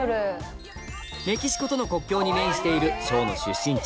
メキシコとの国境に面しているしょうの出身地